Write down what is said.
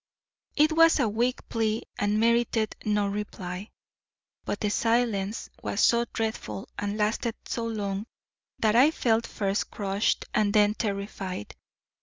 It was a weak plea and merited no reply. But the silence was so dreadful and lasted so long that I felt first crushed and then terrified.